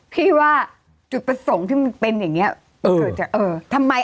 พี่ว่าจุดประสงค์ที่มันเป็นอย่างเงี้ยเกิดจากเออทำไม